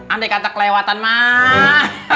andai kata kelewatan mah